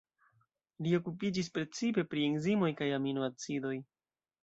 Li okupiĝis precipe pri enzimoj kaj Aminoacidoj.